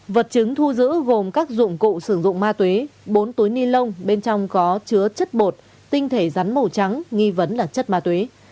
vật chứng thu giữ gồm các dụng cụ sử dụng ma túy bốn túi ni lông bên trong có chứa chất bột tinh thể rắn màu trắng nghi vấn là chất ma túy